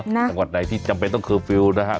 จังหวัดไหนที่จำเป็นต้องเคอร์ฟิลล์นะฮะ